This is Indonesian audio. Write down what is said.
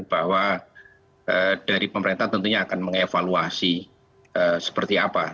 bahwa dari pemerintah tentunya akan mengevaluasi seperti apa